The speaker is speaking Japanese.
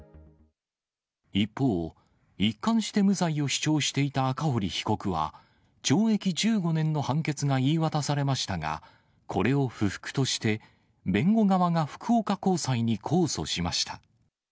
一方、一貫して無罪を主張していた赤堀被告は、懲役１５年の判決が言い渡されましたが、これを不服として、弁護側が福岡高裁に控訴しました。